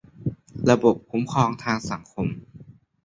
ระบบความคุ้มครองทางสังคม